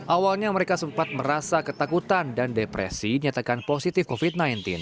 awalnya mereka sempat merasa ketakutan dan depresi nyatakan positif covid sembilan belas